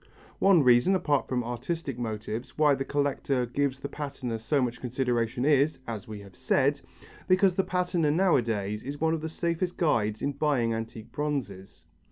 One reason, apart from artistic motives, why the collector gives the patina so much consideration is, as we have said, because the patina nowadays is one of the safest guides in buying antique bronzes.